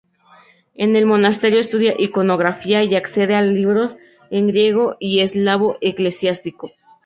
En el monasterio estudia iconografía y accede a libros en griego y eslavo eclesiástico.